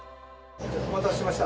お待たせしました。